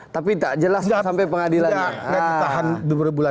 tapi tak jelas sampai pengadilannya